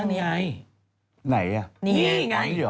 นี่ไง